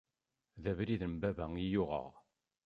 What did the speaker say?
D abrid n baba i uɣeɣ.